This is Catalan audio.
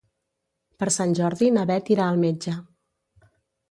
Per Sant Jordi na Bet irà al metge.